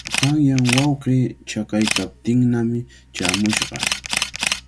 Qanyan wawqii chakaykaptinnami chaamushqa.